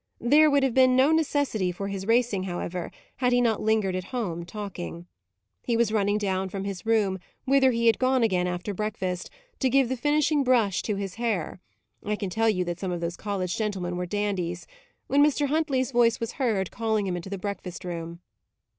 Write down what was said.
There would have been no necessity for his racing, however, had he not lingered at home, talking. He was running down from his room, whither he had gone again after breakfast, to give the finishing brush to his hair (I can tell you that some of those college gentlemen were dandies), when Mr. Huntley's voice was heard, calling him into the breakfast room.